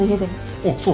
あっそうだ。